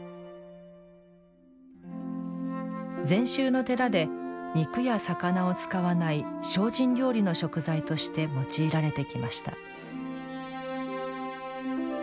禅宗の寺で肉や魚を使わない精進料理の食材として用いられてきました。